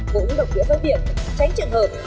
cũng đồng nghĩa với việc tránh trường hợp